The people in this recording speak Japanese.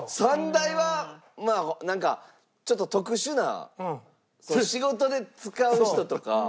３台はまあなんかちょっと特殊な仕事で使う人とか。